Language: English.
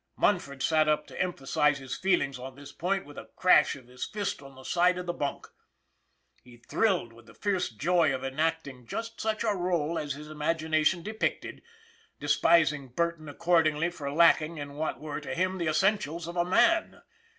Munford sat up to emphasize his feelings on this point with a crash of his fist on the side of the bunk. He thrilled with the fierce joy of enacting just such a role as his imagination depicted, despising Burton accordingly for lacking in what were, to him, the essentials of a man.